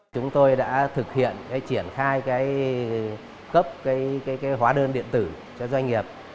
chúng tôi đã thực hiện triển khai cấp hóa đơn điện tử cho doanh nghiệp